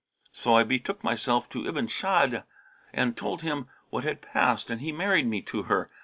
So I betook myself to Ibn Shaddбd[FN#35] and told him what had passed and he married me to her.